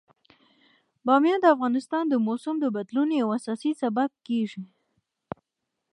بامیان د افغانستان د موسم د بدلون یو اساسي سبب کېږي.